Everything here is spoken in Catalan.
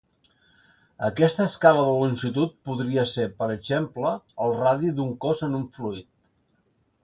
Aquesta escala de longitud podria ser, per exemple, el radi d'un cos en un fluid.